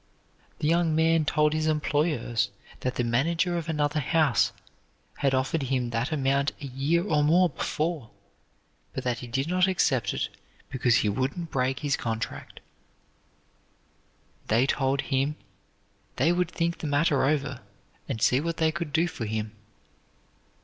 The young man told his employers that the manager of another house had offered him that amount a year or more before, but that he did not accept it because he wouldn't break his contract. They told him they would think the matter over and see what they could do for him.